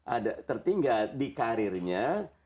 ada tertinggal di karirnya